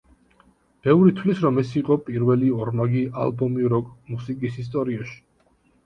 ბევრი თვლის, რომ ეს იყო პირველი ორმაგი ალბომი როკ-მუსიკის ისტორიაში.